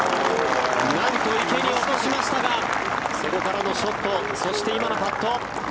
なんと池に落としましたがそこからのショットそして、今のパット。